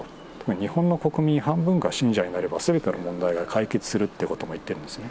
日本の国民半分が信者になれば、すべての問題が解決するということも言ってるんですね。